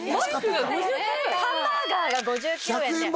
ハンバーガーが５９円で１００円